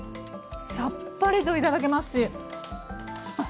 さっぱりと頂けますしあっ